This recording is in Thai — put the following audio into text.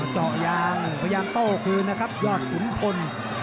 เจาะยางพยายามโต้คืนนะครับยอดขุนพล